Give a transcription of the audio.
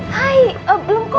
hai eh belum kok